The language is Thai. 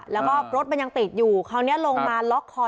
แล้วก็รถมันยังติดอยู่คราวนี้ลงมาล็อกคอ